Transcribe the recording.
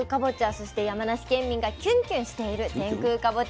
そして山梨県民がキュンキュンしている天空かぼちゃ。